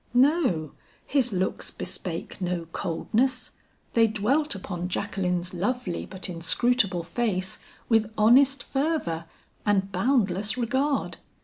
No, his looks bespake no coldness; they dwelt upon Jacqueline's lovely but inscrutable face, with honest fervor and boundless regard.